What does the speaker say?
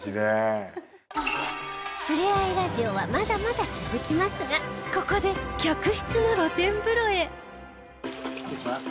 「ふれあいラジオ」はまだまだ続きますがここで失礼します。